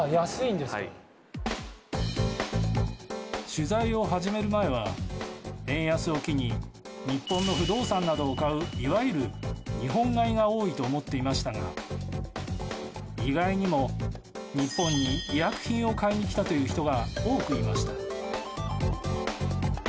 取材を始める前は円安を機に日本の不動産などを買ういわゆる日本買いが多いと思っていましたが意外にも、日本に医薬品を買いに来たという人が多くいました。